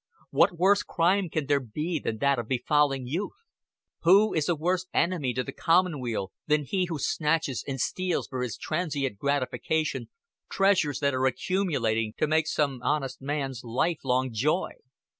What worse crime can there be than that of befouling youth? Who is a worse enemy to the commonweal than he who snatches and steals for his transient gratification treasures that are accumulating to make some honest man's life long joy?